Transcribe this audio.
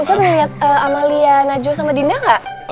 ustaz mau liat amalia najwa sama dinda gak